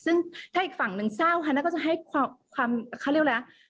ซึ่งถ้าอีกฝั่งหนึ่งเศร้าค่ะน่าก็จะให้ความเขาเรียกอะไร